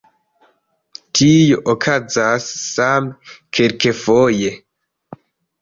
Tio okazas same kelkfoje.